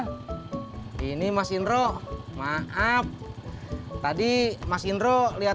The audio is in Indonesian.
di daerah perkembang tahu buyat